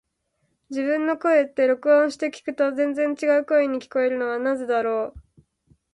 自分の声って、録音して聞くと全然違う声に聞こえるのはなぜだろう。